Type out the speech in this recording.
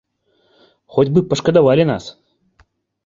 Хоць бы пашкадавалі нас.